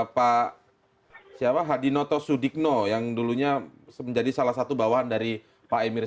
pak hadinoto sudikno yang dulunya menjadi salah satu bawahan dari pak emir